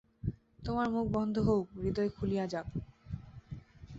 তোমাদের মুখ বন্ধ হউক, হৃদয় খুলিয়া যাক।